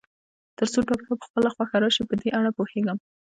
تر څو ډاکټر په خپله خوښه راشي، په دې اړه پوهېږم.